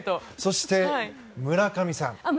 そして、村上さん。